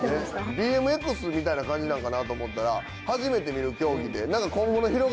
ＢＭＸみたいな感じなんかなと思ったら初めて見る競技で。